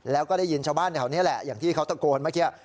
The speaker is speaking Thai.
แล้วก็ได้ยินชาวบ้านแถวนี้แหละอย่างที่เขาตะโกนเมื่อกี้